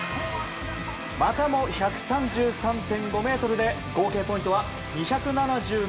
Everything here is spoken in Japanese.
またも１３３．５ｍで合計ポイントは２７７．８。